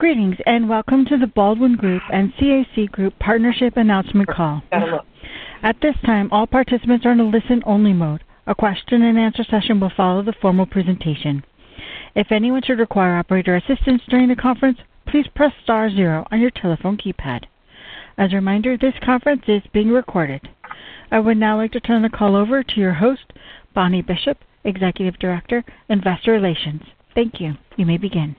Greetings and welcome to The Baldwin Group and CAC Group Partnership Announcement Call. At this time, all participants are in a listen-only mode. A question-and-answer session will follow the formal presentation. If anyone should require operator assistance during the conference, please press star zero on your telephone keypad. As a reminder, this conference is being recorded. I would now like to turn the call over to your host, Bonnie Bishop, Executive Director, Investor Relations. Thank you. You may begin.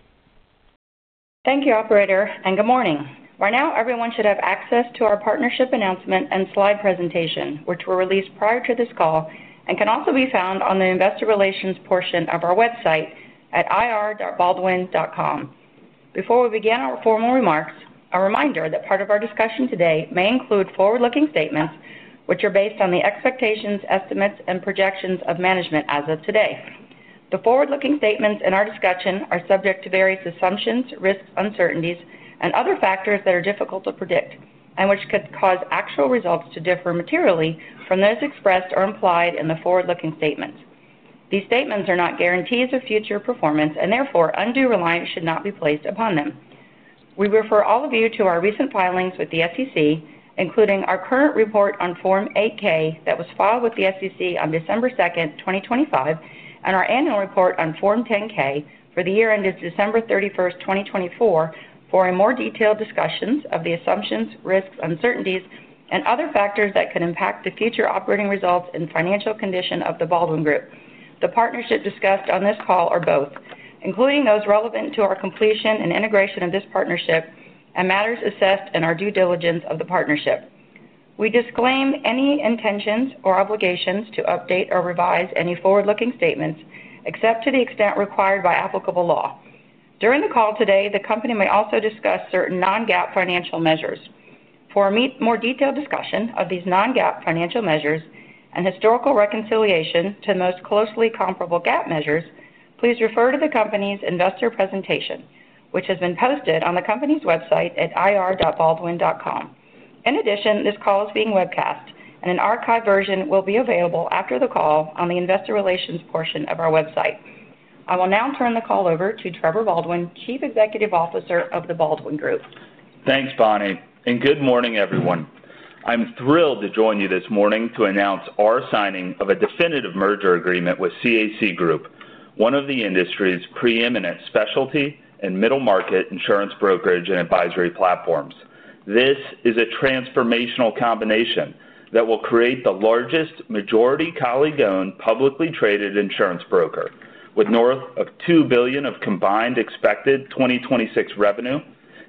Thank you, operator, and good morning. Right now, everyone should have access to our partnership announcement and slide presentation, which were released prior to this call and can also be found on the Investor Relations portion of our website at ir.baldwin.com. Before we begin our formal remarks, a reminder that part of our discussion today may include forward-looking statements, which are based on the expectations, estimates, and projections of management as of today. The forward-looking statements in our discussion are subject to various assumptions, risks, uncertainties, and other factors that are difficult to predict and which could cause actual results to differ materially from those expressed or implied in the forward-looking statements. These statements are not guarantees of future performance and therefore undue reliance should not be placed upon them. We refer all of you to our recent filings with the SEC, including our current report on Form 8-K that was filed with the SEC on December 2nd, 2025, and our annual report on Form 10-K for the year ended December 31st, 2024, for more detailed discussions of the assumptions, risks, uncertainties, and other factors that could impact the future operating results and financial condition of the Baldwin Group. The partnership discussed on this call are both, including those relevant to our completion and integration of this partnership and matters assessed in our due diligence of the partnership. We disclaim any intentions or obligations to update or revise any forward-looking statements except to the extent required by applicable law. During the call today, the company may also discuss certain non-GAAP financial measures. For a more detailed discussion of these non-GAAP financial measures and historical reconciliation to the most closely comparable GAAP measures, please refer to the company's investor presentation, which has been posted on the company's website at ir.baldwin.com. In addition, this call is being webcast, and an archived version will be available after the call on the Investor Relations portion of our website. I will now turn the call over to Trevor Baldwin, Chief Executive Officer of the Baldwin Group. Thanks, Bonnie, and good morning, everyone. I'm thrilled to join you this morning to announce our signing of a definitive merger agreement with CAC Group, one of the industry's preeminent specialty and middle-market insurance brokerage and advisory platforms. This is a transformational combination that will create the largest majority-college-owned publicly traded insurance broker, with north of $2 billion of combined expected 2026 revenue,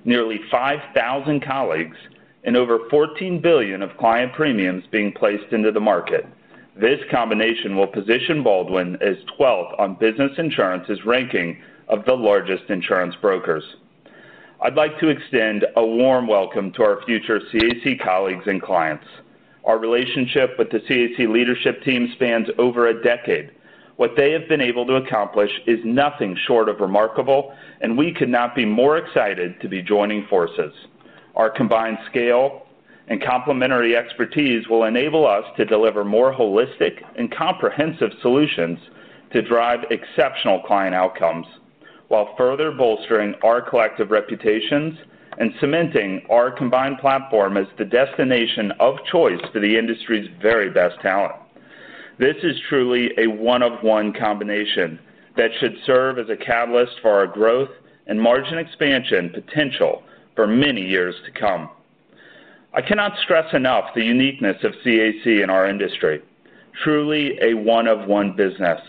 nearly 5,000 colleagues, and over $14 billion of client premiums being placed into the market. This combination will position Baldwin as 12th on Business Insurance's ranking of the largest insurance brokers. I'd like to extend a warm welcome to our future CAC colleagues and clients. Our relationship with the CAC leadership team spans over a decade. What they have been able to accomplish is nothing short of remarkable, and we could not be more excited to be joining forces. Our combined scale and complementary expertise will enable us to deliver more holistic and comprehensive solutions to drive exceptional client outcomes while further bolstering our collective reputations and cementing our combined platform as the destination of choice for the industry's very best talent. This is truly a one-of-one combination that should serve as a catalyst for our growth and margin expansion potential for many years to come. I cannot stress enough the uniqueness of CAC in our industry. Truly a one-of-one business.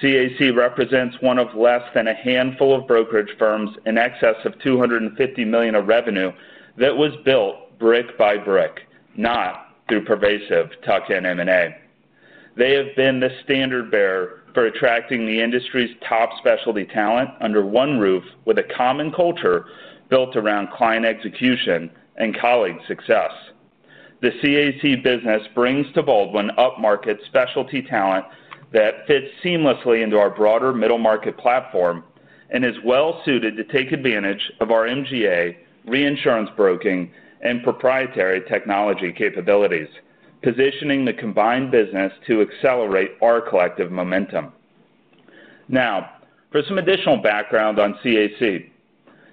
CAC represents one of less than a handful of brokerage firms in excess of $250 million of revenue that was built brick by brick, not through pervasive tuck-in M&A. They have been the standard bearer for attracting the industry's top specialty talent under one roof with a common culture built around client execution and colleague success. The CAC business brings to Baldwin up-market specialty talent that fits seamlessly into our broader middle-market platform and is well-suited to take advantage of our MGA, reinsurance broking, and proprietary technology capabilities, positioning the combined business to accelerate our collective momentum. Now, for some additional background on CAC.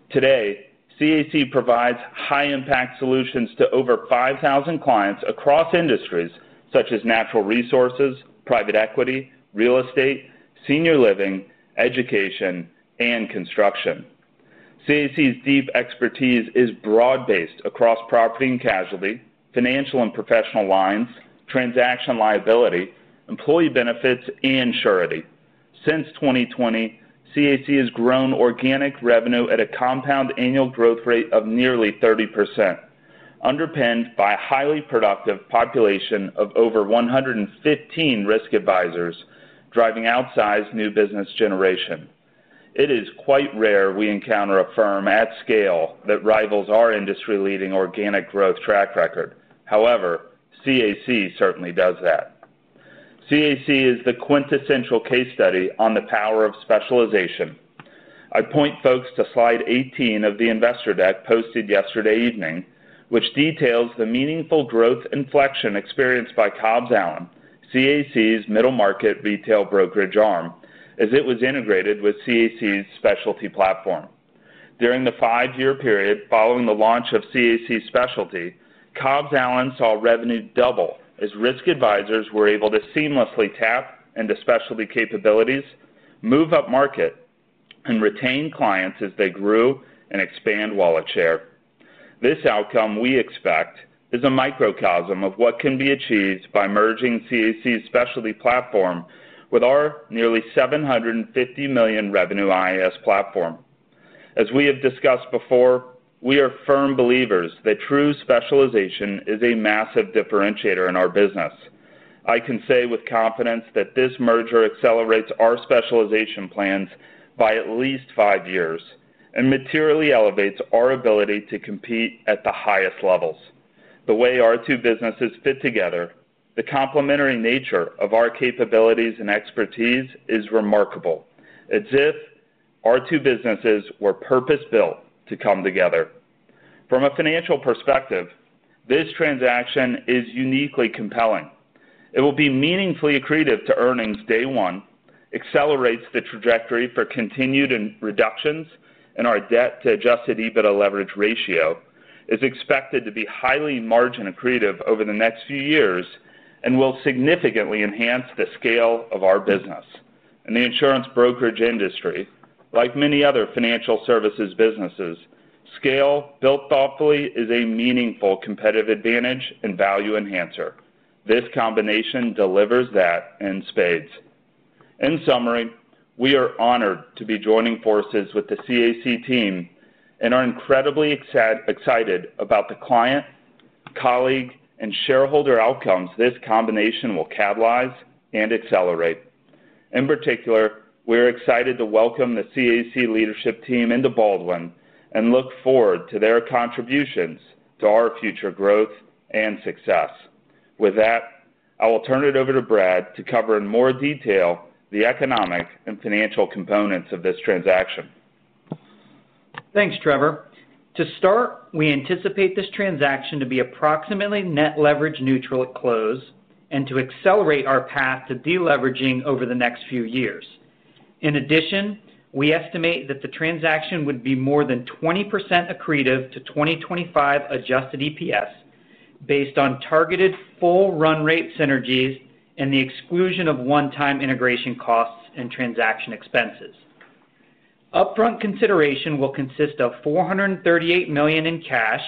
Today, CAC provides high-impact solutions to over 5,000 clients across industries such as natural resources, private equity, real estate, senior living, education, and construction. CAC's deep expertise is broad-based across property and casualty, financial and professional lines, transaction liability, employee benefits, and surety. Since 2020, CAC has grown organic revenue at a compound annual growth rate of nearly 30%, underpinned by a highly productive population of over 115 risk advisors driving outsized new business generation. It is quite rare we encounter a firm at scale that rivals our industry-leading organic growth track record. However, CAC certainly does that. CAC is the quintessential case study on the power of specialization. I point folks to slide 18 of the investor deck posted yesterday evening, which details the meaningful growth inflection experienced by Cobbs Allen, CAC's middle-market retail brokerage arm, as it was integrated with CAC's specialty platform. During the five-year period following the launch of CAC Specialty, Cobbs Allen saw revenue double as risk advisors were able to seamlessly tap into specialty capabilities, move up-market, and retain clients as they grew and expand wallet share. This outcome we expect is a microcosm of what can be achieved by merging CAC's specialty platform with our nearly $750 million revenue IAS platform. As we have discussed before, we are firm believers that true specialization is a massive differentiator in our business. I can say with confidence that this merger accelerates our specialization plans by at least five years and materially elevates our ability to compete at the highest levels. The way our two businesses fit together, the complementary nature of our capabilities and expertise is remarkable, as if our two businesses were purpose-built to come together. From a financial perspective, this transaction is uniquely compelling. It will be meaningfully accretive to earnings day one, accelerates the trajectory for continued reductions, and our debt-to-Adjusted EBITDA leverage ratio is expected to be highly margin-accretive over the next few years and will significantly enhance the scale of our business. In the insurance brokerage industry, like many other financial services businesses, scale built thoughtfully is a meaningful competitive advantage and value enhancer. This combination delivers that in spades. In summary, we are honored to be joining forces with the CAC team and are incredibly excited about the client, colleague, and shareholder outcomes this combination will catalyze and accelerate. In particular, we're excited to welcome the CAC leadership team into Baldwin and look forward to their contributions to our future growth and success. With that, I will turn it over to Brad to cover in more detail the economic and financial components of this transaction. Thanks, Trevor. To start, we anticipate this transaction to be approximately net leverage neutral at close and to accelerate our path to deleveraging over the next few years. In addition, we estimate that the transaction would be more than 20% accretive to 2025 adjusted EPS based on targeted full run rate synergies and the exclusion of one-time integration costs and transaction expenses. Upfront consideration will consist of $438 million in cash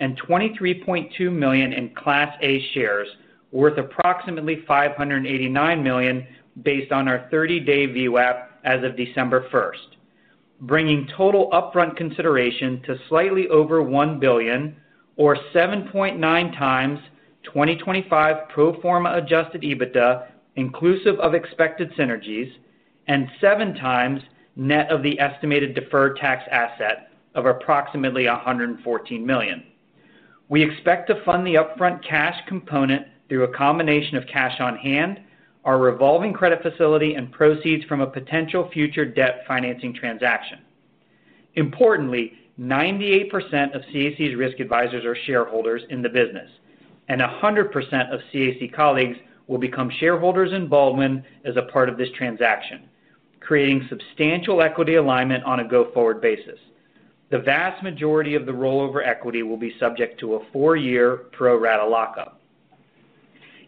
and $23.2 million in Class A shares worth approximately $589 million based on our 30-day VWAP as of December 1st, bringing total upfront consideration to slightly over $1 billion, or 7.9 times 2025 pro forma adjusted EBITDA inclusive of expected synergies, and 7 times net of the estimated deferred tax asset of approximately $114 million. We expect to fund the upfront cash component through a combination of cash on hand, our revolving credit facility, and proceeds from a potential future debt financing transaction. Importantly, 98% of CAC's risk advisors are shareholders in the business, and 100% of CAC colleagues will become shareholders in Baldwin as a part of this transaction, creating substantial equity alignment on a go-forward basis. The vast majority of the rollover equity will be subject to a four-year pro rata lockup.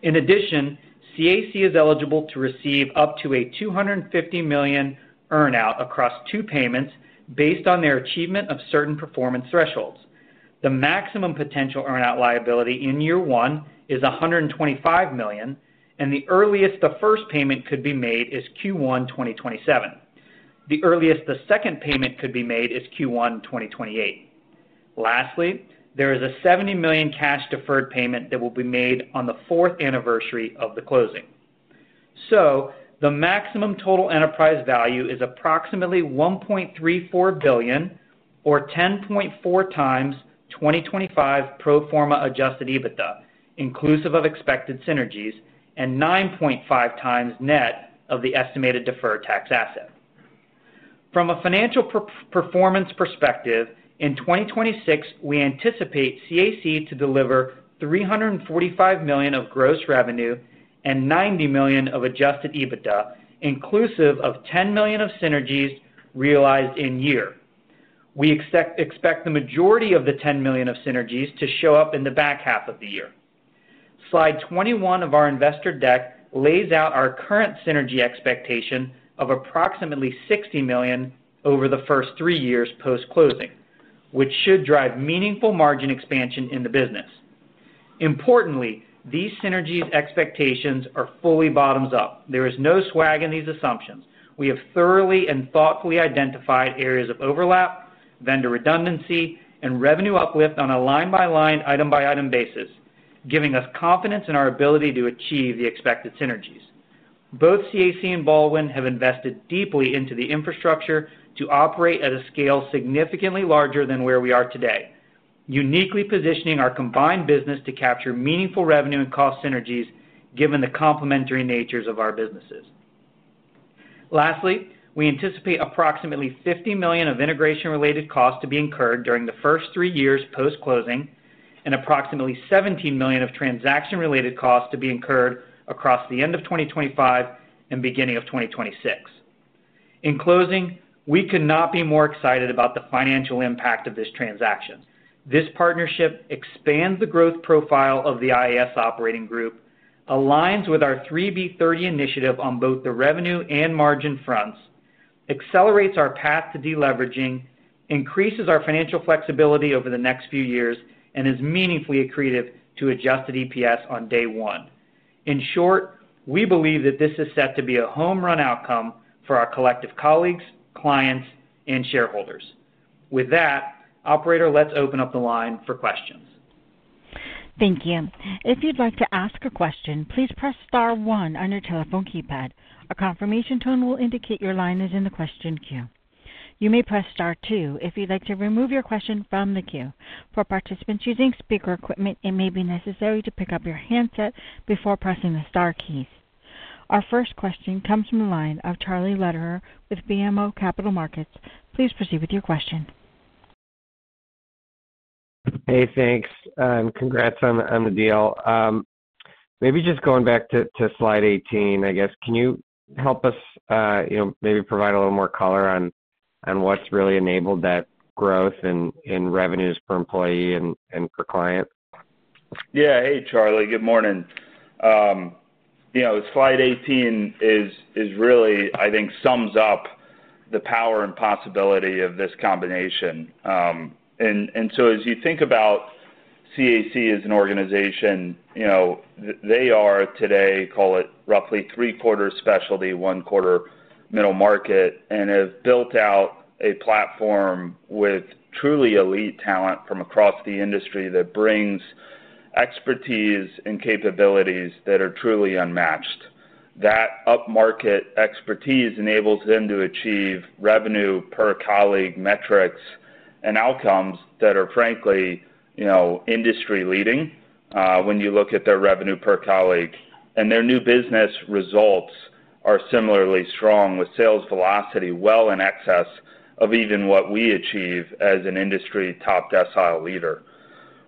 In addition, CAC is eligible to receive up to a $250 million earnout across two payments based on their achievement of certain performance thresholds. The maximum potential earnout liability in year one is $125 million, and the earliest the first payment could be made is Q1, 2027. The earliest the second payment could be made is Q1, 2028. Lastly, there is a $70 million cash deferred payment that will be made on the fourth anniversary of the closing. So the maximum total enterprise value is approximately $1.34 billion, or 10.4 times 2025 Pro Forma Adjusted EBITDA inclusive of expected synergies, and 9.5 times net of the estimated Deferred Tax Asset. From a financial performance perspective, in 2026, we anticipate CAC to deliver $345 million of gross revenue and $90 million of Adjusted EBITDA inclusive of $10 million of synergies realized in year. We expect the majority of the $10 million of synergies to show up in the back half of the year. Slide 21 of our investor deck lays out our current synergy expectation of approximately $60 million over the first three years post-closing, which should drive meaningful margin expansion in the business. Importantly, these synergies expectations are fully Bottoms-up. There is no swag in these assumptions. We have thoroughly and thoughtfully identified areas of overlap, vendor redundancy, and revenue uplift on a line-by-line, item-by-item basis, giving us confidence in our ability to achieve the expected synergies. Both CAC and Baldwin have invested deeply into the infrastructure to operate at a scale significantly larger than where we are today, uniquely positioning our combined business to capture meaningful revenue and cost synergies given the complementary natures of our businesses. Lastly, we anticipate approximately $50 million of integration-related costs to be incurred during the first three years post-closing and approximately $17 million of transaction-related costs to be incurred across the end of 2025 and beginning of 2026. In closing, we could not be more excited about the financial impact of this transaction. This partnership expands the growth profile of the IAS operating group, aligns with our 3B30 initiative on both the revenue and margin fronts, accelerates our path to deleveraging, increases our financial flexibility over the next few years, and is meaningfully accretive to adjusted EPS on day one. In short, we believe that this is set to be a home-run outcome for our collective colleagues, clients, and shareholders. With that, Operator, let's open up the line for questions. Thank you. If you'd like to ask a question, please press star one on your telephone keypad. A confirmation tone will indicate your line is in the question queue. You may press star two if you'd like to remove your question from the queue. For participants using speaker equipment, it may be necessary to pick up your handset before pressing the star keys. Our first question comes from the line of Charlie Lederer with BMO Capital Markets. Please proceed with your question. Hey, thanks. Congrats on the deal. Maybe just going back to slide 18, I guess, can you help us maybe provide a little more color on what's really enabled that growth in revenues per employee and per client? Yeah. Hey, Charlie. Good morning. Slide 18 really, I think, sums up the power and possibility of this combination, and so as you think about CAC as an organization, they are today, call it roughly three-quarters specialty, one-quarter middle market, and have built out a platform with truly elite talent from across the industry that brings expertise and capabilities that are truly unmatched. That up-market expertise enables them to achieve revenue per colleague metrics and outcomes that are, frankly, industry-leading when you look at their revenue per colleague, and their new business results are similarly strong with sales velocity well in excess of even what we achieve as an industry top decile leader.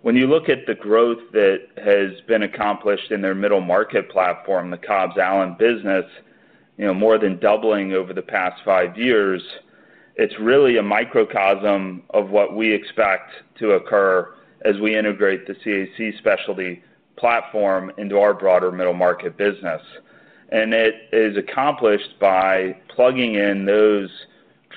When you look at the growth that has been accomplished in their middle market platform, the Cobbs Allen business, more than doubling over the past five years, it's really a microcosm of what we expect to occur as we integrate the CAC specialty platform into our broader middle market business, and it is accomplished by plugging in those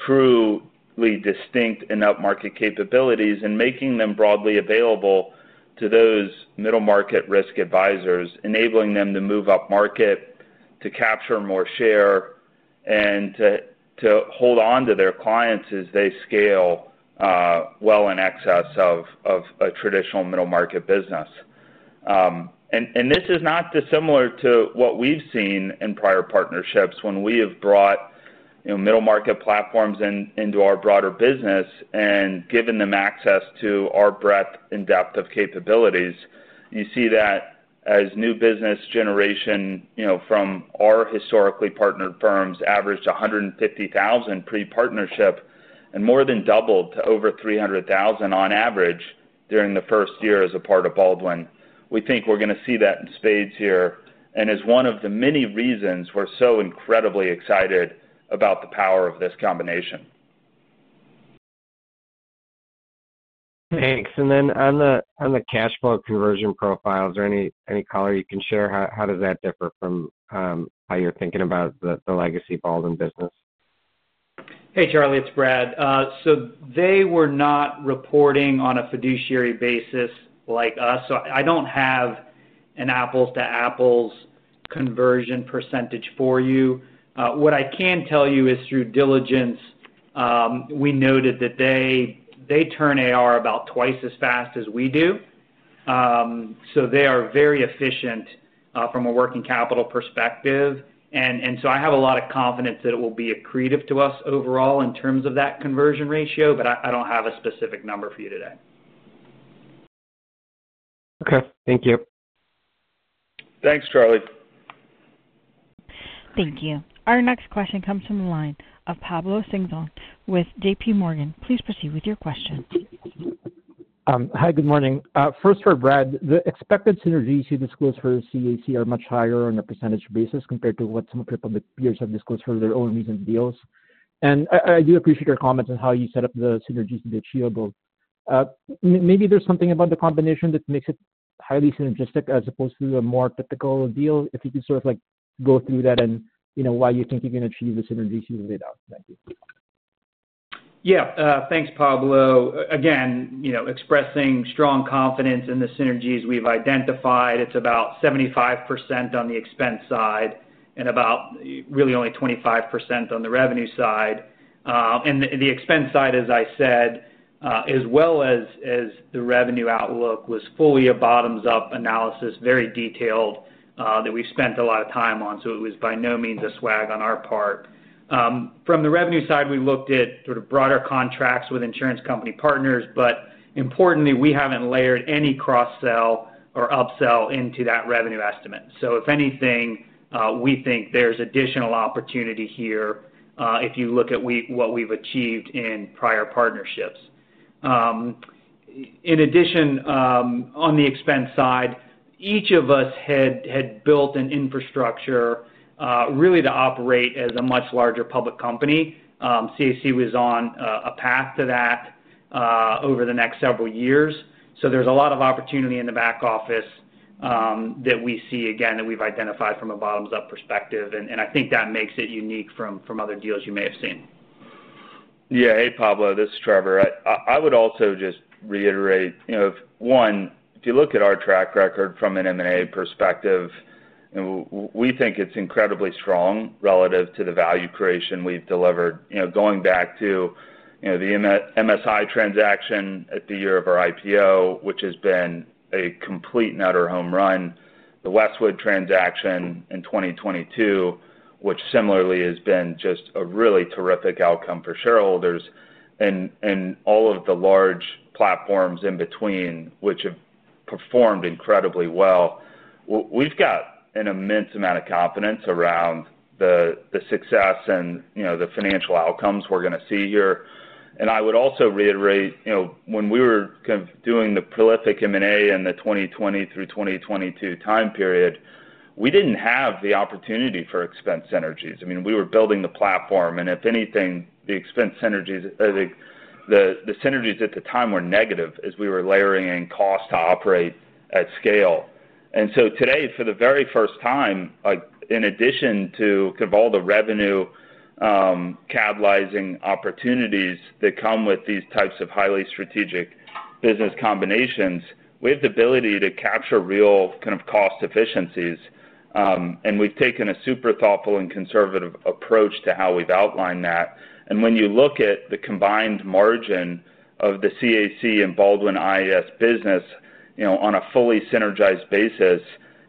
truly distinct and up-market capabilities and making them broadly available to those middle market risk advisors, enabling them to move up-market, to capture more share, and to hold on to their clients as they scale well in excess of a traditional middle market business, and this is not dissimilar to what we've seen in prior partnerships when we have brought middle market platforms into our broader business and given them access to our breadth and depth of capabilities. You see that as new business generation from our historically partnered firms averaged 150,000 pre-partnership and more than doubled to over 300,000 on average during the first year as a part of Baldwin. We think we're going to see that in spades here and is one of the many reasons we're so incredibly excited about the power of this combination. Thanks. And then on the cash flow conversion profile, is there any color you can share? How does that differ from how you're thinking about the legacy Baldwin business? Hey, Charlie. It's Brad. So they were not reporting on a fiduciary basis like us. So I don't have an apples-to-apples conversion percentage for you. What I can tell you is through diligence, we noted that they turn AR about twice as fast as we do. So they are very efficient from a working capital perspective. And so I have a lot of confidence that it will be accretive to us overall in terms of that conversion ratio, but I don't have a specific number for you today. Okay. Thank you. Thanks, Charlie. Thank you. Our next question comes from the line of Pablo Singzon with JPMorgan. Please proceed with your question. Hi. Good morning. First, for Brad, the expected synergies you disclosed for CAC are much higher on a percentage basis compared to what some of your company disclosed for their own recent deals. And I do appreciate your comments on how you set up the synergies to be achievable. Maybe there's something about the combination that makes it highly synergistic as opposed to the more typical deal. If you could sort of go through that and why you think you can achieve the synergies you laid out? Thank you. Yeah. Thanks, Pablo. Again, expressing strong confidence in the synergies we've identified. It's about 75% on the expense side and about really only 25% on the revenue side, and the expense side, as I said, as well as the revenue outlook, was fully a bottoms-up analysis, very detailed, that we've spent a lot of time on, so it was by no means a swag on our part. From the revenue side, we looked at sort of broader contracts with insurance company partners, but importantly, we haven't layered any cross-sell or up-sell into that revenue estimate, so if anything, we think there's additional opportunity here if you look at what we've achieved in prior partnerships. In addition, on the expense side, each of us had built an infrastructure really to operate as a much larger public company. CAC was on a path to that over the next several years. So there's a lot of opportunity in the back office that we see, again, that we've identified from a bottoms-up perspective. And I think that makes it unique from other deals you may have seen. Yeah. Hey, Pablo. This is Trevor. I would also just reiterate, one, if you look at our track record from an M&A perspective, we think it's incredibly strong relative to the value creation we've delivered. Going back to the MSI transaction at the year of our IPO, which has been a complete and utter home run, the Westwood transaction in 2022, which similarly has been just a really terrific outcome for shareholders, and all of the large platforms in between, which have performed incredibly well. We've got an immense amount of confidence around the success and the financial outcomes we're going to see here. And I would also reiterate, when we were kind of doing the prolific M&A in the 2020 through 2022 time period, we didn't have the opportunity for expense synergies. I mean, we were building the platform. And if anything, the expense synergies at the time were negative as we were layering in cost to operate at scale. And so today, for the very first time, in addition to kind of all the revenue catalyzing opportunities that come with these types of highly strategic business combinations, we have the ability to capture real kind of cost efficiencies. And we've taken a super thoughtful and conservative approach to how we've outlined that. And when you look at the combined margin of the CAC and Baldwin IAS business on a fully synergized basis,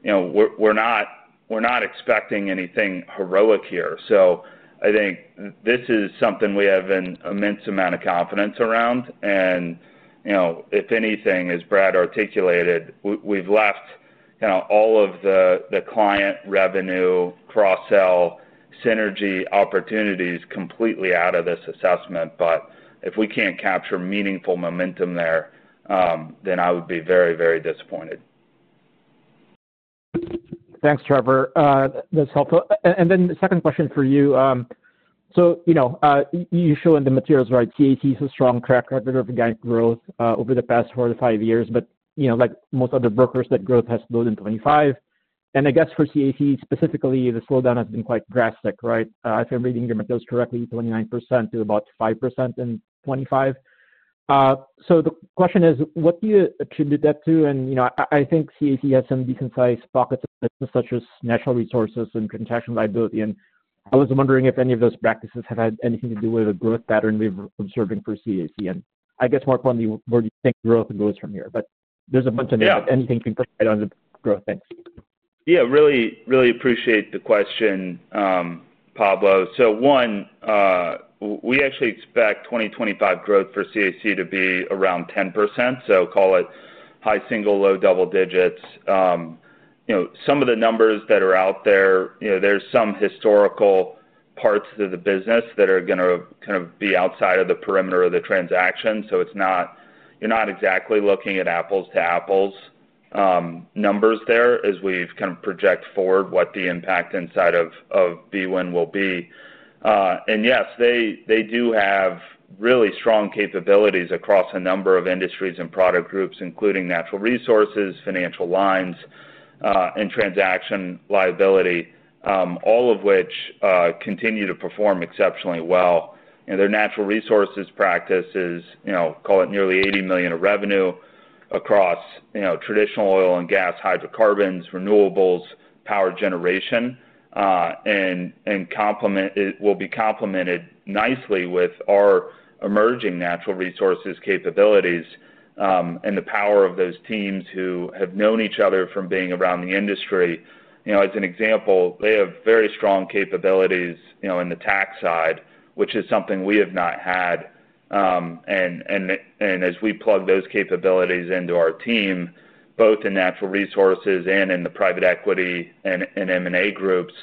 we're not expecting anything heroic here. So I think this is something we have an immense amount of confidence around. And if anything, as Brad articulated, we've left all of the client revenue, cross-sell, synergy opportunities completely out of this assessment. But if we can't capture meaningful momentum there, then I would be very, very disappointed. Thanks, Trevor. That's helpful. And then the second question for you. So you show in the materials, right, CAC is a strong track record of growth over the past four to five years, but like most other brokers, that growth has slowed in 2025. And I guess for CAC specifically, the slowdown has been quite drastic, right? If I'm reading your materials correctly, 29% to about 5% in 2025. So the question is, what do you attribute that to? And I think CAC has some decent-sized pockets of business such as natural resources and contractual liability. And I was wondering if any of those practices have had anything to do with the growth pattern we've observed for CAC. And I guess more importantly, where do you think growth goes from here? But there's a bunch of names. Anything you can provide on the growth things. Yeah. Really appreciate the question, Pablo. So one, we actually expect 2025 growth for CAC to be around 10%. So call it high single, low double digits. Some of the numbers that are out there, there's some historical parts of the business that are going to kind of be outside of the parameters of the transaction. So you're not exactly looking at apples-to-apples numbers there as we've kind of projected forward what the impact inside of BWIN will be. And yes, they do have really strong capabilities across a number of industries and product groups, including natural resources, financial lines, and transaction liability, all of which continue to perform exceptionally well. And their natural resources practice is, call it nearly $80 million of revenue across traditional oil and gas, hydrocarbons, renewables, power generation. And it will be complemented nicely with our emerging natural resources capabilities and the power of those teams who have known each other from being around the industry. As an example, they have very strong capabilities in the tax side, which is something we have not had. And as we plug those capabilities into our team, both in natural resources and in the private equity and M&A groups,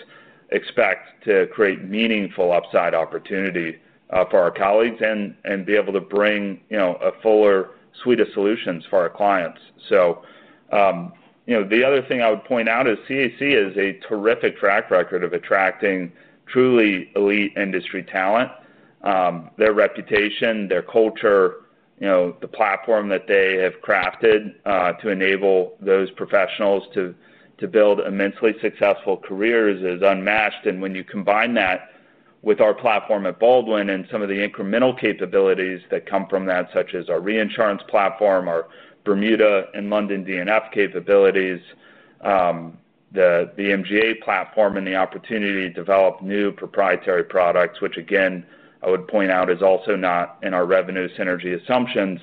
expect to create meaningful upside opportunity for our colleagues and be able to bring a fuller suite of solutions for our clients. So the other thing I would point out is CAC has a terrific track record of attracting truly elite industry talent. Their reputation, their culture, the platform that they have crafted to enable those professionals to build immensely successful careers is unmatched. And when you combine that with our platform at Baldwin and some of the incremental capabilities that come from that, such as our reinsurance platform, our Bermuda and London D&F capabilities, the MGA platform, and the opportunity to develop new proprietary products, which, again, I would point out is also not in our revenue synergy assumptions,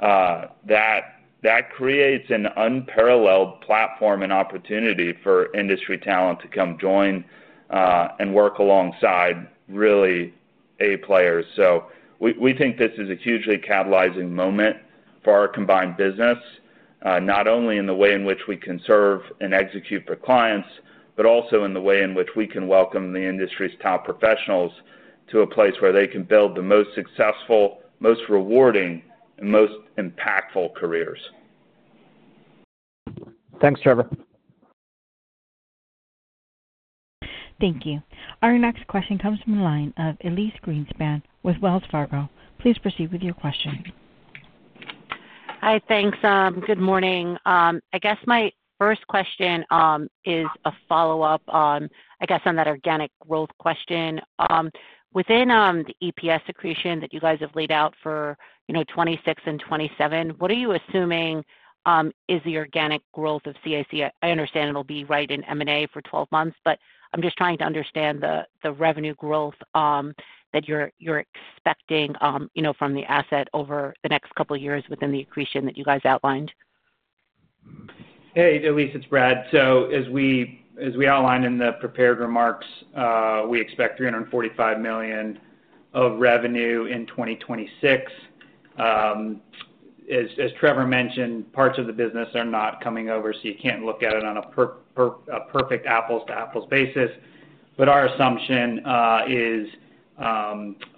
that creates an unparalleled platform and opportunity for industry talent to come join and work alongside really A players. So we think this is a hugely catalyzing moment for our combined business, not only in the way in which we can serve and execute for clients, but also in the way in which we can welcome the industry's top professionals to a place where they can build the most successful, most rewarding, and most impactful careers. Thanks, Trevor. Thank you. Our next question comes from the line of Elyse Greenspan with Wells Fargo. Please proceed with your question. Hi. Thanks. Good morning. I guess my first question is a follow-up, I guess, on that organic growth question. Within the EPS accretion that you guys have laid out for 2026 and 2027, what are you assuming is the organic growth of CAC? I understand it'll be right in M&A for 12 months, but I'm just trying to understand the revenue growth that you're expecting from the asset over the next couple of years within the accretion that you guys outlined. Hey, Elyse. It's Brad. So as we outlined in the prepared remarks, we expect $345 million of revenue in 2026. As Trevor mentioned, parts of the business are not coming over, so you can't look at it on a perfect apples-to-apples basis. But our assumption is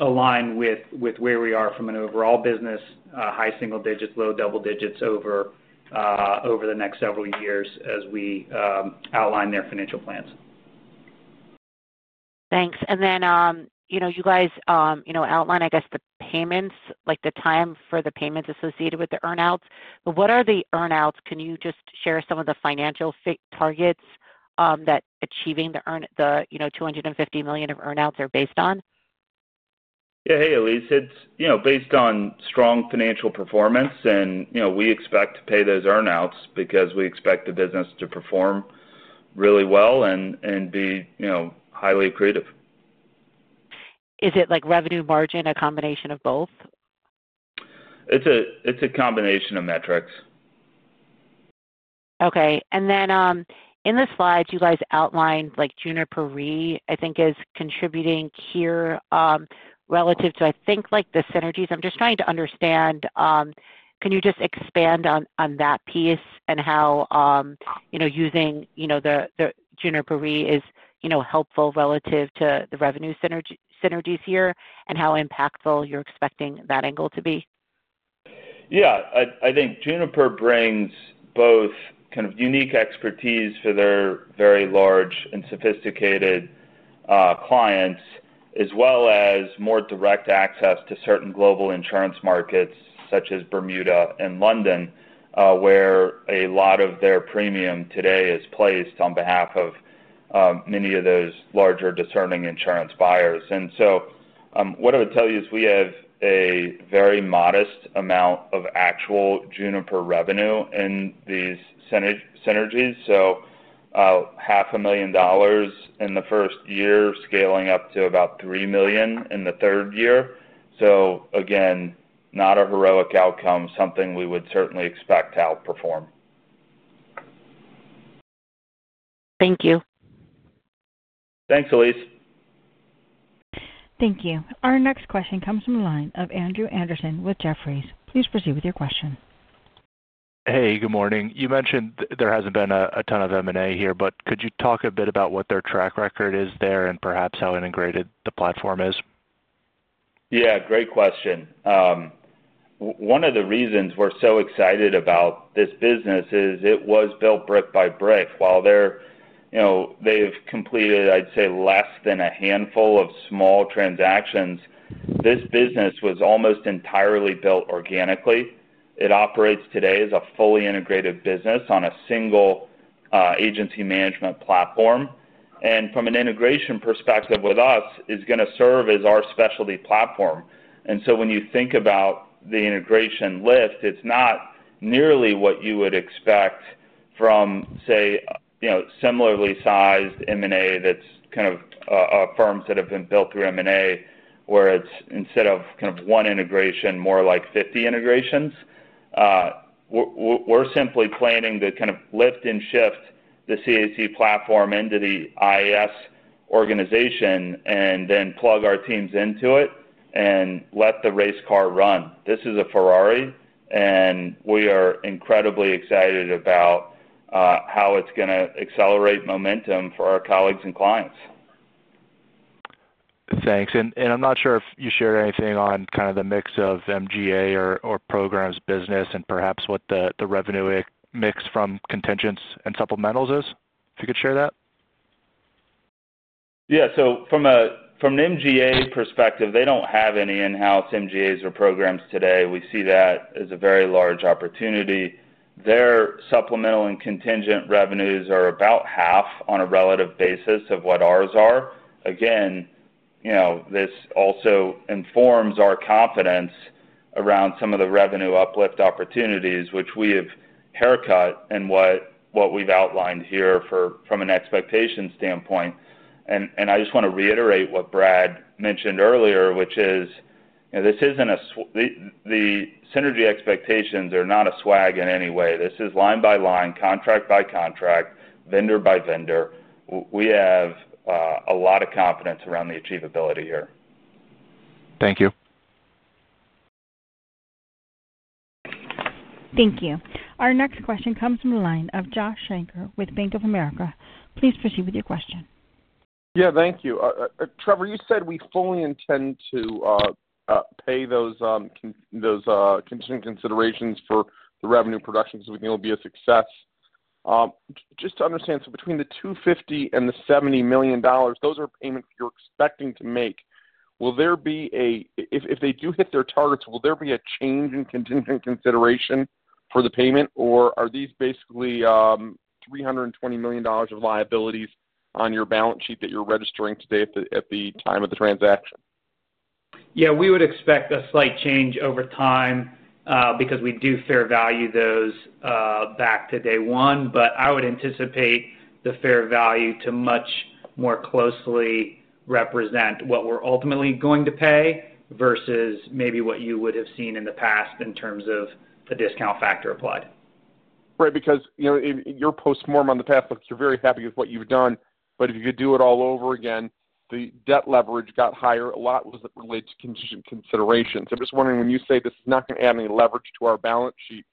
aligned with where we are from an overall business, high single digits, low double digits over the next several years as we outline their financial plans. Thanks. And then you guys outlined, I guess, the payments, like the time for the payments associated with the earnouts. But what are the earnouts? Can you just share some of the financial targets that achieving the $250 million of earnouts are based on? Yeah. Hey, Elyse. It's based on strong financial performance, and we expect to pay those earnouts because we expect the business to perform really well and be highly accretive. Is it revenue margin, a combination of both? It's a combination of metrics. Okay. And then in the slides, you guys outlined Juniper Re, I think, is contributing here relative to, I think, the synergies. I'm just trying to understand. Can you just expand on that piece and how using the Juniper Re is helpful relative to the revenue synergies here and how impactful you're expecting that angle to be? Yeah. I think Juniper brings both kind of unique expertise for their very large and sophisticated clients, as well as more direct access to certain global insurance markets such as Bermuda and London, where a lot of their premium today is placed on behalf of many of those larger discerning insurance buyers, and so what I would tell you is we have a very modest amount of actual Juniper revenue in these synergies, so $500,000 in the first year, scaling up to about $3 million in the third year, so again, not a heroic outcome, something we would certainly expect to outperform. Thank you. Thanks, Elyse. Thank you. Our next question comes from the line of Andrew Andersen with Jefferies. Please proceed with your question. Hey, good morning. You mentioned there hasn't been a ton of M&A here, but could you talk a bit about what their track record is there and perhaps how integrated the platform is? Yeah. Great question. One of the reasons we're so excited about this business is it was built brick by brick. While they've completed, I'd say, less than a handful of small transactions, this business was almost entirely built organically. It operates today as a fully integrated business on a single agency management platform. And from an integration perspective with us, it's going to serve as our specialty platform. And so when you think about the integration lift, it's not nearly what you would expect from, say, similarly sized M&A that's kind of firms that have been built through M&A, where it's instead of kind of one integration, more like 50 integrations. We're simply planning to kind of lift and shift the CAC platform into the IAS organization and then plug our teams into it and let the race car run. This is a Ferrari, and we are incredibly excited about how it's going to accelerate momentum for our colleagues and clients. Thanks. And I'm not sure if you shared anything on kind of the mix of MGA or programs business and perhaps what the revenue mix from contingents and supplementals is, if you could share that? Yeah. So from an MGA perspective, they don't have any in-house MGAs or programs today. We see that as a very large opportunity. Their supplemental and contingent revenues are about half on a relative basis of what ours are. Again, this also informs our confidence around some of the revenue uplift opportunities, which we have haircut in what we've outlined here from an expectation standpoint. And I just want to reiterate what Brad mentioned earlier, which is this isn't the synergy expectations are not a swag in any way. This is line by line, contract by contract, vendor by vendor. We have a lot of confidence around the achievability here. Thank you. Thank you. Our next question comes from the line of Josh Shanker with Bank of America. Please proceed with your question. Yeah. Thank you. Trevor, you said we fully intend to pay those contingent considerations for the revenue production so we can be a success. Just to understand, so between the $250 million and the $70 million, those are payments you're expecting to make. Will there be a if they do hit their targets, will there be a change in contingent consideration for the payment, or are these basically $320 million of liabilities on your balance sheet that you're registering today at the time of the transaction? Yeah. We would expect a slight change over time because we do fair value those back to day one. But I would anticipate the fair value to much more closely represent what we're ultimately going to pay versus maybe what you would have seen in the past in terms of the discount factor applied. Right. Because your postmortem on the past look, you're very happy with what you've done. But if you could do it all over again, the debt leverage got higher. A lot was related to contingent considerations. I'm just wondering, when you say this is not going to add any leverage to our balance sheet,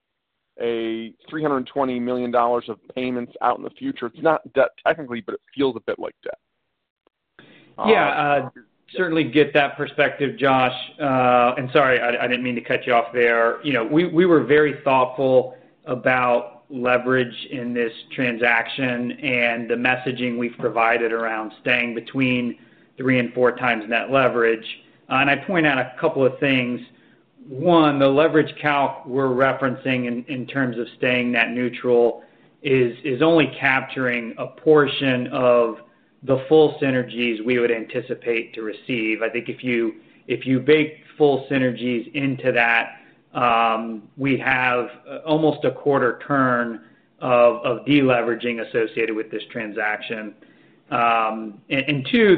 a $320 million of payments out in the future, it's not debt technically, but it feels a bit like debt. Yeah. Certainly get that perspective, Josh, and sorry, I didn't mean to cut you off there. We were very thoughtful about leverage in this transaction and the messaging we've provided around staying between three and four times net leverage, and I point out a couple of things. One, the leverage calc we're referencing in terms of staying net neutral is only capturing a portion of the full synergies we would anticipate to receive. I think if you bake full synergies into that, we have almost a quarter turn of deleveraging associated with this transaction, and two,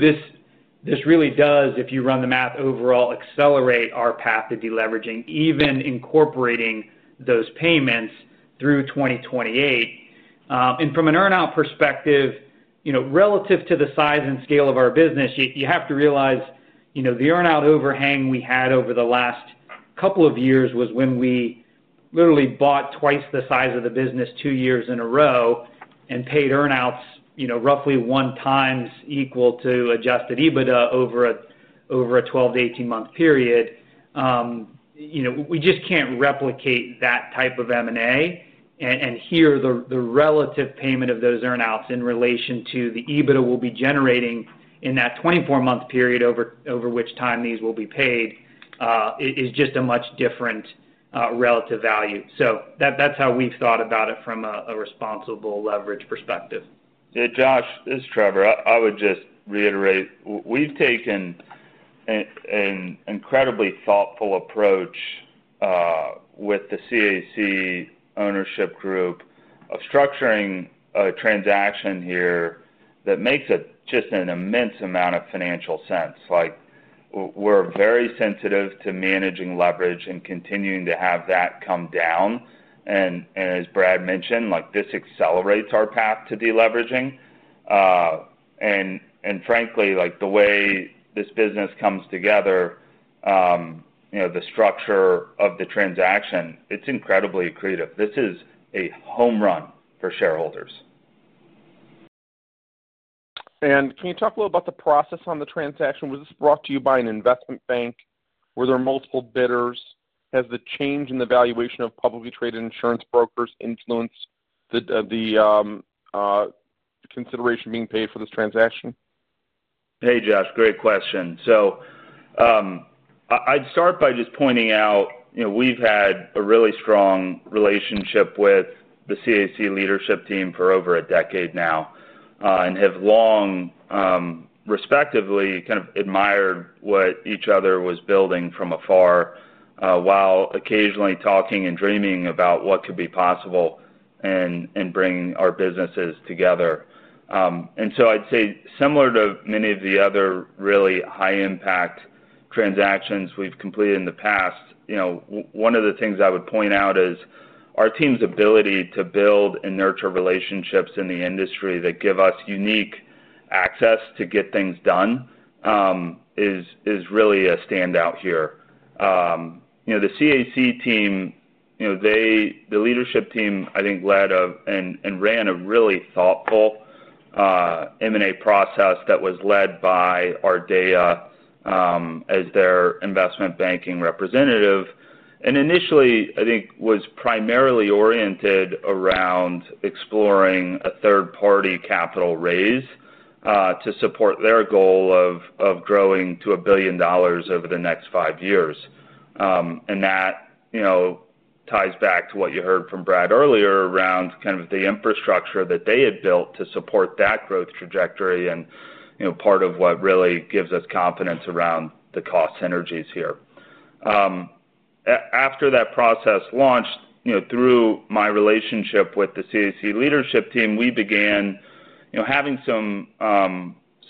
this really does, if you run the math overall, accelerate our path to deleveraging, even incorporating those payments through 2028. And from an earnout perspective, relative to the size and scale of our business, you have to realize the earnout overhang we had over the last couple of years was when we literally bought twice the size of the business two years in a row and paid earnouts roughly one times equal to Adjusted EBITDA over a 12- to 18-month period. We just can't replicate that type of M&A. And here, the relative payment of those earnouts in relation to the EBITDA we'll be generating in that 24-month period over which time these will be paid is just a much different relative value. So that's how we've thought about it from a responsible leverage perspective. Yeah. Josh, this is Trevor. I would just reiterate. We've taken an incredibly thoughtful approach with the CAC ownership group of structuring a transaction here that makes just an immense amount of financial sense. We're very sensitive to managing leverage and continuing to have that come down. And as Brad mentioned, this accelerates our path to deleveraging. And frankly, the way this business comes together, the structure of the transaction, it's incredibly accretive. This is a home run for shareholders. Can you talk a little about the process on the transaction? Was this brought to you by an investment bank? Were there multiple bidders? Has the change in the valuation of publicly traded insurance brokers influenced the consideration being paid for this transaction? Hey, Josh. Great question. So I'd start by just pointing out we've had a really strong relationship with the CAC leadership team for over a decade now and have long respectively kind of admired what each other was building from afar while occasionally talking and dreaming about what could be possible and bringing our businesses together. And so I'd say similar to many of the other really high-impact transactions we've completed in the past, one of the things I would point out is our team's ability to build and nurture relationships in the industry that give us unique access to get things done is really a standout here. The CAC team, the leadership team, I think, led and ran a really thoughtful M&A process that was led by Ardea as their investment banking representative and initially, I think, was primarily oriented around exploring a third-party capital raise to support their goal of growing to $1 billion over the next five years, and that ties back to what you heard from Brad earlier around kind of the infrastructure that they had built to support that growth trajectory and part of what really gives us confidence around the cost synergies here. After that process launched, through my relationship with the CAC leadership team, we began having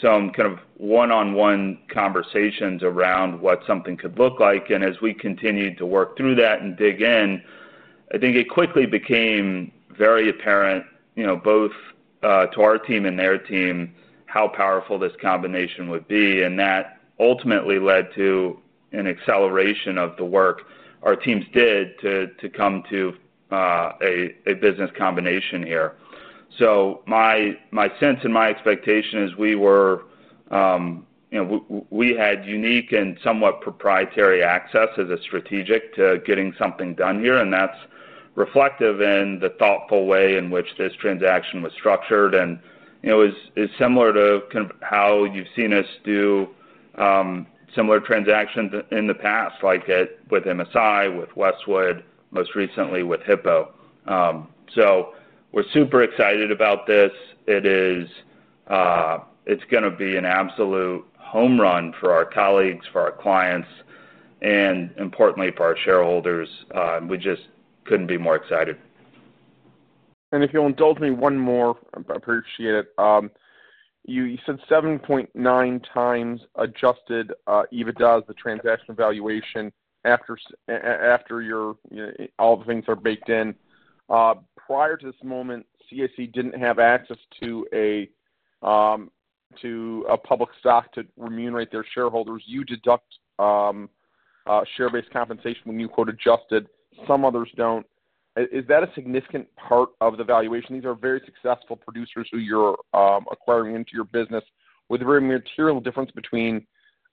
some kind of one-on-one conversations around what something could look like, and as we continued to work through that and dig in, I think it quickly became very apparent both to our team and their team how powerful this combination would be. That ultimately led to an acceleration of the work our teams did to come to a business combination here. My sense and my expectation is we had unique and somewhat proprietary access as a strategic to getting something done here. That's reflective in the thoughtful way in which this transaction was structured and is similar to kind of how you've seen us do similar transactions in the past like with MSI, with Westwood, most recently with Hippo. We're super excited about this. It's going to be an absolute home run for our colleagues, for our clients, and importantly, for our shareholders. We just couldn't be more excited. And if you'll indulge me one more, I appreciate it. You said 7.9 times Adjusted EBITDA as the transaction valuation after all the things are baked in. Prior to this moment, CAC didn't have access to a public stock to remunerate their shareholders. You deduct share-based compensation when you quote adjusted. Some others don't. Is that a significant part of the valuation? These are very successful producers who you're acquiring into your business. Was there a material difference between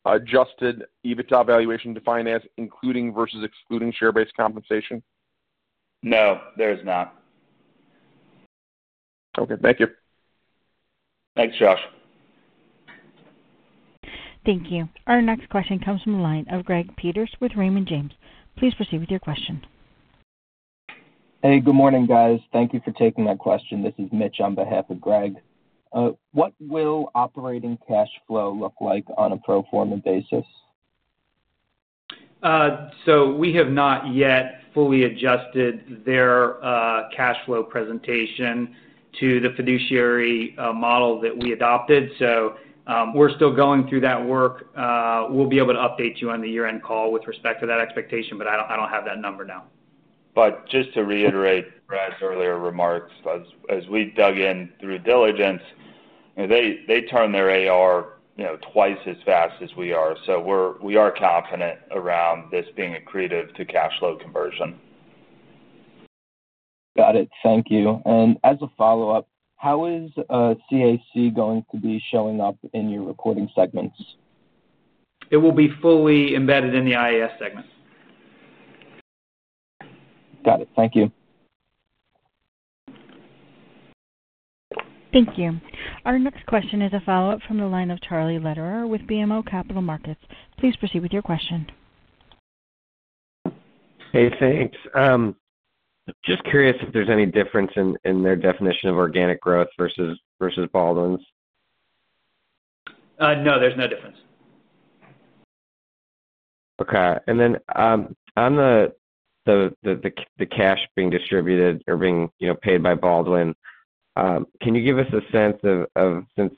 Adjusted EBITDA valuation defined as including versus excluding share-based compensation? No. There is not. Okay. Thank you. Thanks, Josh. Thank you. Our next question comes from the line of Greg Peters with Raymond James. Please proceed with your question. Hey, good morning, guys. Thank you for taking that question. This is Mitch on behalf of Greg. What will operating cash flow look like on a pro forma basis? So we have not yet fully adjusted their cash flow presentation to the fiduciary model that we adopted. So we're still going through that work. We'll be able to update you on the year-end call with respect to that expectation, but I don't have that number now. But just to reiterate Brad's earlier remarks, as we dug in through diligence, they turn their AR twice as fast as we are. So we are confident around this being accretive to cash flow conversion. Got it. Thank you. And as a follow-up, how is CAC going to be showing up in your reporting segments? It will be fully embedded in the IAS segment. Got it. Thank you. Thank you. Our next question is a follow-up from the line of Charlie Lederer with BMO Capital Markets. Please proceed with your question. Hey, thanks. Just curious if there's any difference in their definition of organic growth versus Baldwin's? No, there's no difference. Okay. And then on the cash being distributed or being paid by Baldwin, can you give us a sense of, since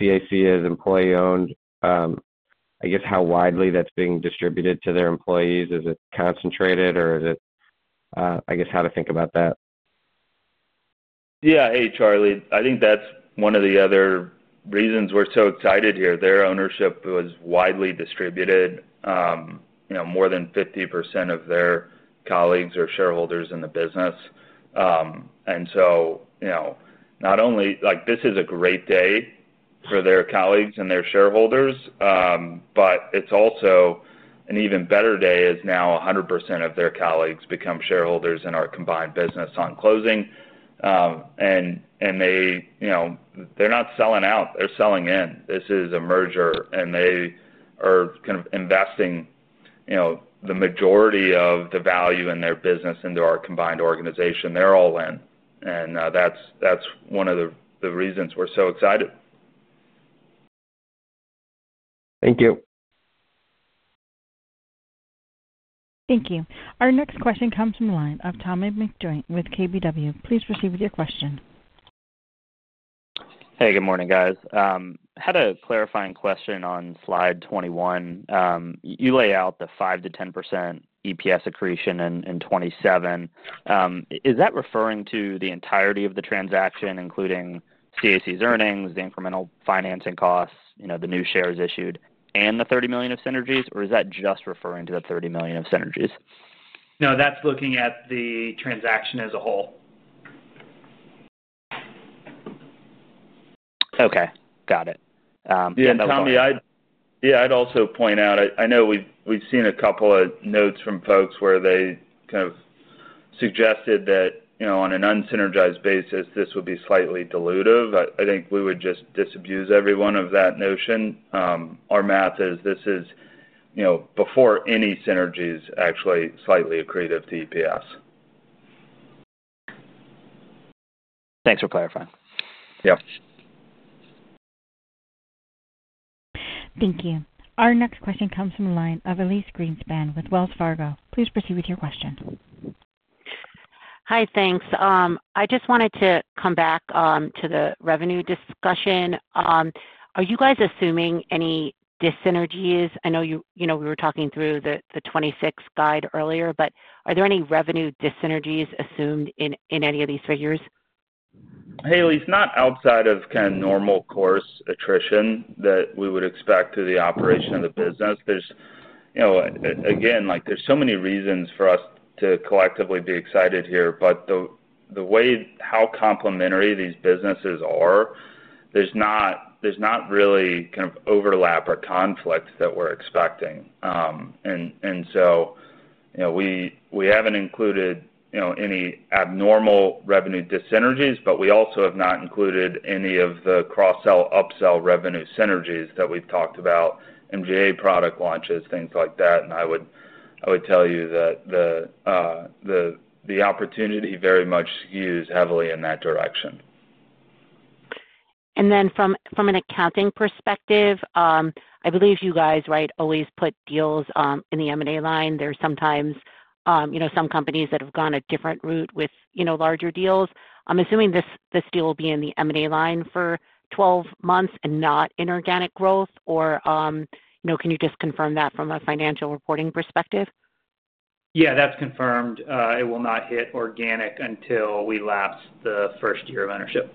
CAC is employee-owned, I guess how widely that's being distributed to their employees? Is it concentrated, or is it I guess how to think about that? Yeah. Hey, Charlie. I think that's one of the other reasons we're so excited here. Their ownership was widely distributed. More than 50% of their colleagues are shareholders in the business, and so not only this is a great day for their colleagues and their shareholders, but it's also an even better day as now 100% of their colleagues become shareholders in our combined business on closing, and they're not selling out. They're selling in. This is a merger, and they are kind of investing the majority of the value in their business into our combined organization. They're all in, and that's one of the reasons we're so excited. Thank you. Thank you. Our next question comes from the line of Tommy McJoynt with KBW. Please proceed with your question. Hey, good morning, guys. Had a clarifying question on slide 21. You lay out the 5%-10% EPS accretion in 2027. Is that referring to the entirety of the transaction, including CAC's earnings, the incremental financing costs, the new shares issued, and the $30 million of synergies? Or is that just referring to the $30 million of synergies? No, that's looking at the transaction as a whole. Okay. Got it. Yeah. Yeah, and Tommy, I'd also point out I know we've seen a couple of notes from folks where they kind of suggested that on an unsynergized basis, this would be slightly dilutive. I think we would just disabuse everyone of that notion. Our math is this is, before any synergies, actually slightly accretive to EPS. Thanks for clarifying. Yeah. Thank you. Our next question comes from the line of Elyse Greenspan with Wells Fargo. Please proceed with your question. Hi, thanks. I just wanted to come back to the revenue discussion. Are you guys assuming any disynergies? I know we were talking through the 2026 guide earlier, but are there any revenue disynergies assumed in any of these figures? Hey, it's not outside of kind of normal course attrition that we would expect to the operation of the business. Again, there's so many reasons for us to collectively be excited here. But the way how complementary these businesses are, there's not really kind of overlap or conflict that we're expecting. And so we haven't included any abnormal revenue disynergies, but we also have not included any of the cross-sell upsell revenue synergies that we've talked about, MGA product launches, things like that. And I would tell you that the opportunity very much skews heavily in that direction. And then from an accounting perspective, I believe you guys, right, always put deals in the M&A line. There's sometimes some companies that have gone a different route with larger deals. I'm assuming this deal will be in the M&A line for 12 months and not in organic growth. Or can you just confirm that from a financial reporting perspective? Yeah, that's confirmed. It will not hit organic until we lapse the first year of ownership.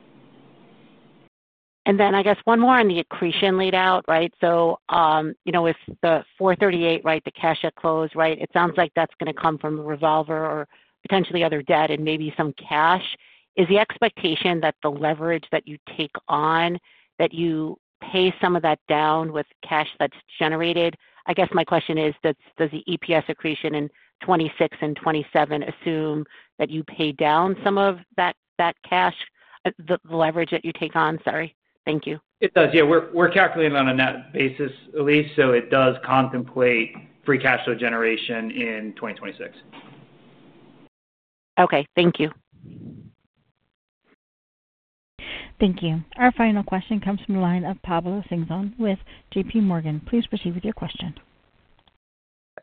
And then I guess one more on the accretion laid out, right? So with the 438, right, the cash at close, right, it sounds like that's going to come from Revolver or potentially other debt and maybe some cash. Is the expectation that the leverage that you take on, that you pay some of that down with cash that's generated? I guess my question is, does the EPS accretion in 2026 and 2027 assume that you pay down some of that cash, the leverage that you take on? Sorry. Thank you. It does. Yeah. We're calculating on a net basis, Elyse. So it does contemplate free cash flow generation in 2026. Okay. Thank you. Thank you. Our final question comes from the line of Pablo Singzon with JPMorgan. Please proceed with your question.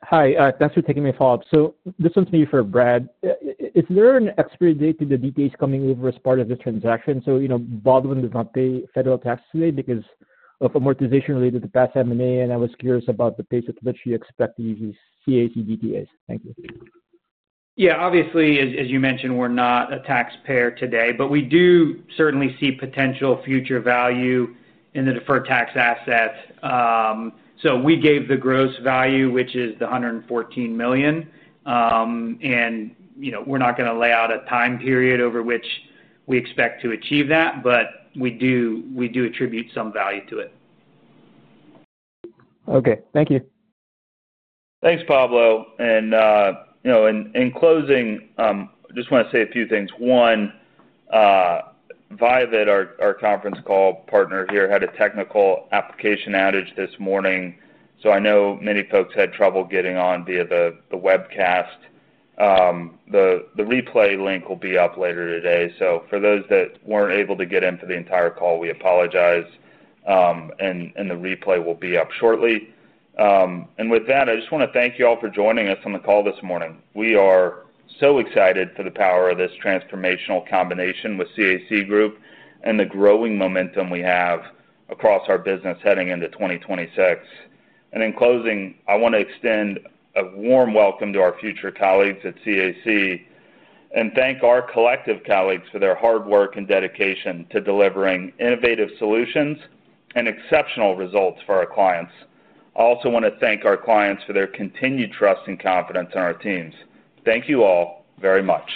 Hi. Thanks for taking my call. So this one's for you, for Brad. Is there an expiry date to the DTAs coming over as part of this transaction? So Baldwin does not pay federal taxes today because of amortization related to past M&A, and I was curious about the pace at which you expect to use these CAC DTAs. Thank you. Yeah. Obviously, as you mentioned, we're not a taxpayer today, but we do certainly see potential future value in the deferred tax asset. So we gave the gross value, which is the $114 million. And we're not going to lay out a time period over which we expect to achieve that, but we do attribute some value to it. Okay. Thank you. Thanks, Pablo. And in closing, I just want to say a few things. One, Violet, our conference call partner here, had a technical application outage this morning. So I know many folks had trouble getting on via the webcast. The replay link will be up later today. So for those that weren't able to get in for the entire call, we apologize. And the replay will be up shortly. And with that, I just want to thank you all for joining us on the call this morning. We are so excited for the power of this transformational combination with CAC Group and the growing momentum we have across our business heading into 2026. And in closing, I want to extend a warm welcome to our future colleagues at CAC and thank our collective colleagues for their hard work and dedication to delivering innovative solutions and exceptional results for our clients. I also want to thank our clients for their continued trust and confidence in our teams. Thank you all very much.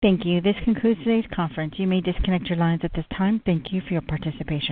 Thank you. This concludes today's conference. You may disconnect your lines at this time. Thank you for your participation.